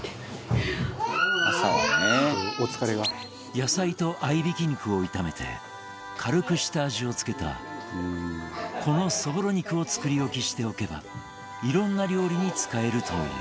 野菜と合いびき肉を炒めて軽く下味を付けたこのそぼろ肉を作り置きしておけば色んな料理に使えるという